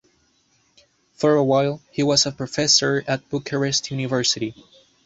For a while, he was a professor at Bucharest University.